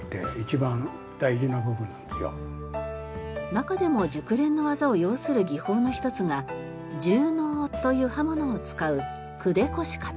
中でも熟練の技を要する技法の一つが重能という刃物を使う組手腰型。